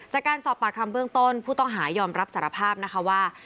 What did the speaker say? จากการสอบปากคำเบื้องต้นผู้ต้องหายอมรับสารภาพนะคะว่า